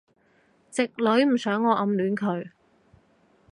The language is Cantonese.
直女唔想我暗戀佢